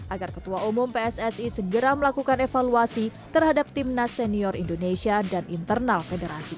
agar ketua umum pssi segera melakukan evaluasi terhadap timnas senior indonesia dan internal federasi